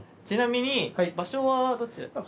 ちなみに場所はどちら。